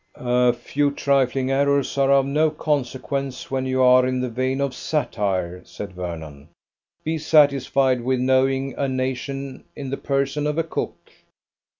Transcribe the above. "A few trifling errors are of no consequence when you are in the vein of satire," said Vernon. "Be satisfied with knowing a nation in the person of a cook."